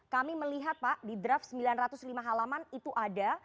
kami melihat pak di draft sembilan ratus lima halaman itu ada